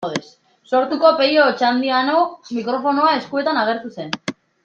Sortuko Pello Otxandiano mikrofonoa eskuetan agertu zen.